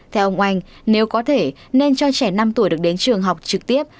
theo ông oanh nếu có thể nên cho trẻ năm tuổi được đến trường học trực tiếp